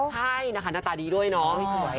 ใช่นะคะหน้าตาดีด้วยเนาะ